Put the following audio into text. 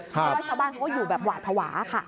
เพราะว่าชาวบ้านเขาก็อยู่แบบหวาดภาวะค่ะ